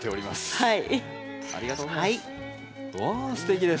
はい。